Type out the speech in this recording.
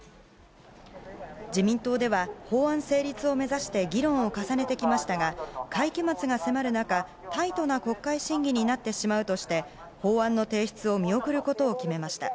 自民党では法案成立を目指して議論を進めてきましたが会期末が迫る中タイトな国会審議になってしまうとして法案の提出を見送ることを決めました。